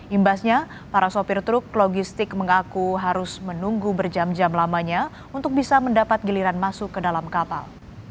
imbasnya para sopir truk logistik mengaku harus menunggu berjam jam lamanya untuk bisa mendapat giliran masuk ke dalam kapal